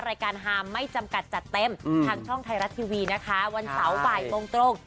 รายการฮาไม่จำกัดจัดเต็มทางช่องไทยรัฐทีวีนะคะวันเสาร์บ่ายโมงตรง